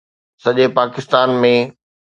سڄي پاڪستان ۾